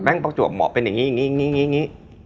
แม่งป๊อกจัวหมอเป็นอย่างนี้